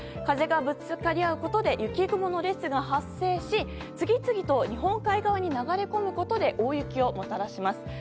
風がぶつかり合うことで雪雲の列が発生し次々と日本海側に流れ込むことで大雪をもたらします。